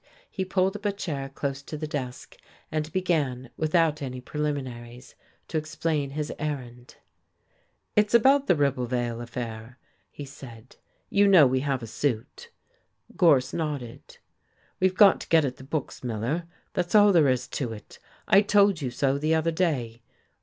He pulled up a chair close to the desk and began, without any preliminaries, to explain his errand. "It's about the Ribblevale affair," he said. "You know we have a suit." Gorse nodded. "We've got to get at the books, Miller, that's all there is to it. I told you so the other day.